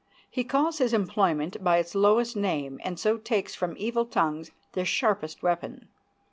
He calls his employment by its lowest name, and so takes from evil tongues their sharpest weapon.